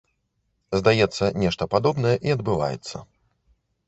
Здаецца, нешта падобнае і адбываецца.